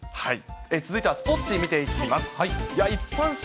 続いてはスポーツ紙、見ていきます。